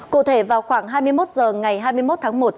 cụ thể vào khoảng hai mươi một h ngày hai mươi một tháng một